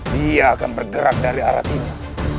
dia akan bergerak dari arah timur